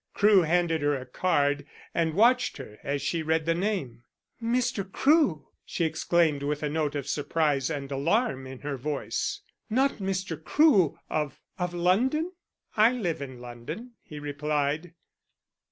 Crewe handed her a card and watched her as she read the name. "Mr. Crewe!" she exclaimed with a note of surprise and alarm in her voice. "Not Mr. Crewe of of London?" "I live in London," he replied.